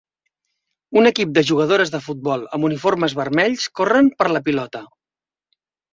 Un equip de jugadores de futbol amb uniformes vermells corren per la pilota.